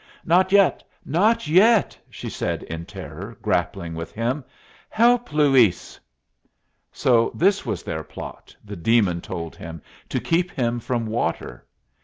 "Not yet! Not yet!" she said in terror, grappling with him. "Help! Luis!" So this was their plot, the demon told him to keep him from water!